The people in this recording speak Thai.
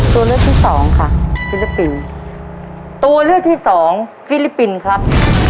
ตัวเลือกที่สองค่ะฟิลิปปินส์ตัวเลือกที่สองฟิลิปปินส์ครับ